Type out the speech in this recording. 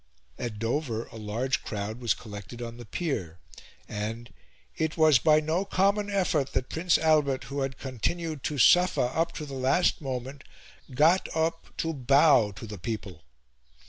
At Dover a large crowd was collected on the pier, and "it was by no common effort that Prince Albert, who had continued to suffer up to the last moment, got up to bow to the people."